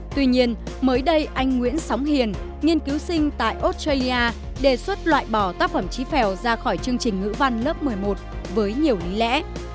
tuy nhiên mới đây anh nguyễn sóng hiền nghiên cứu sinh tại australia đề xuất loại bỏ tác phẩm trí phèo ra khỏi chương trình ngữ văn lớp một mươi một với nhiều lý lẽ